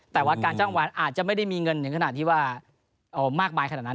แต่ว่าการจ้างวันอาจจะไม่ได้มีเงินถึงขนาดที่ว่ามากมายขนาดนั้น